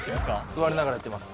座りながらやってます。